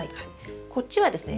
こっちはですね